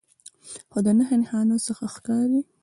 خو د نښو نښانو څخه ښکارې